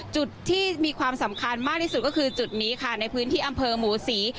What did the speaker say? จุดที่มีความสำคัญมากที่สุดก็คือจุดนี้ค่ะในพื้นที่อำเภอหมูศรี